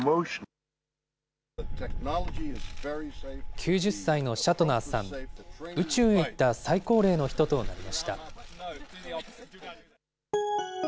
９０歳のシャトナーさん、宇宙へ行った最高齢の人となりました。